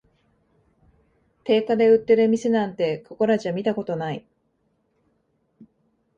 定価で売ってる店なんて、ここらじゃ見たことない